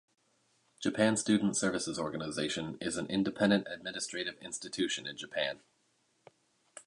Japan Student Services Organization is an independent administrative institution in Japan.